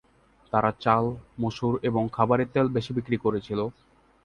তারা চাল, মসুর এবং খাবার তেল বেশি বিক্রি করছিল।